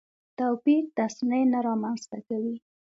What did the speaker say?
توپیر تصنع نه رامنځته کوي.